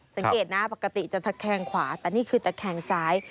สังเกตนะปกติจะตะแคงขวาแต่นี่คือตะแคงซ้าย